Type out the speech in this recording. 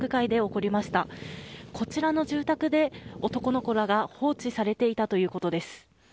こちらの住宅で、男の子らが放置されていたということです。